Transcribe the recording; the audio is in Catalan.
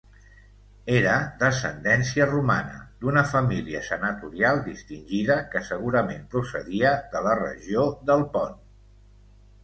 Era d'ascendència romana, d'una família senatorial distingida que segurament procedia de la regió del Pont.